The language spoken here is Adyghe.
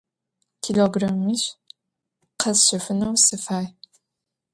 Kilogrammiş khesşefıneu sıfay.